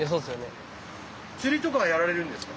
釣りとかはやられるんですか？